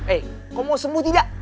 eh kamu mau sembuh tidak